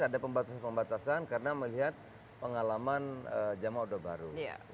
ada pembatasan pembatasan karena melihat pengalaman jama' udah baru